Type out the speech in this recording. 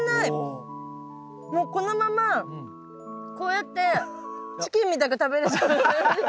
もうこのままこうやってチキンみたく食べれちゃう。